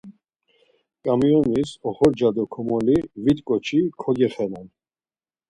Ǩamiyonis oxorca do komoli vit ǩoçi kogexenan.